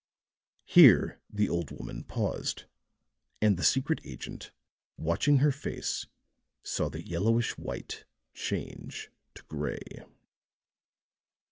Here the old woman paused; and the secret agent, watching her face, saw the yellowish white change to gray.